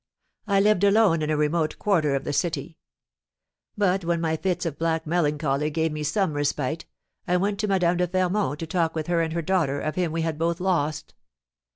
I lived alone in a remote quarter of the city; but when my fits of black melancholy gave me some respite, I went to Madame de Fermont to talk with her and her daughter of him we had both lost.